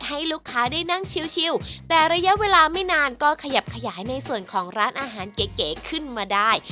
ให้ลูกค้าได้นั่งชิวแต่ระยะเวลาไม่นานก็ขยับขยายในส่วนของร้านอาหารเก๋ขึ้นมาได้